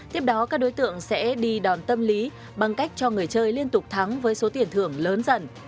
tiếp đó các đối tượng sẽ đi đòn tâm lý bằng cách cho người chơi liên tục thắng với số tiền thưởng lớn dần